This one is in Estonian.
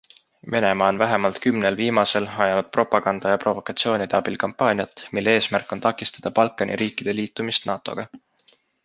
Venemaa on vähemalt kümnel viimasel ajanud propaganda ja provokatsioonide abil kampaaniat, mille eesmärk on takistada Balkani riikide liitumist NATOga.